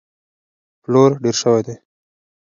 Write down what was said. پلور ډېر شوی دی.